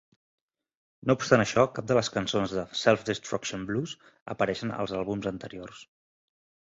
No obstant això, cap de les cançons de "Self Destruction Blues" apareixen als àlbums anteriors.